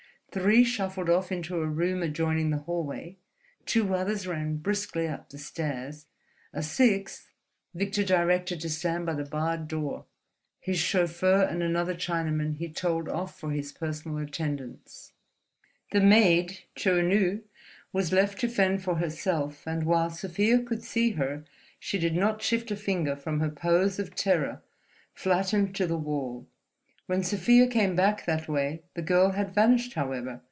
Three shuffled off into a room adjoining the hallway. Two others ran briskly up the stairs. A sixth Victor directed to stand by the barred door. His chauffeur and another Chinaman he told off for his personal attendance. The maid Chou Nu was left to shift for herself, and while Sofia could see her she did not shift a finger from her pose of terror, flattened to the wall. When Sofia came back that way, the girl had vanished, however.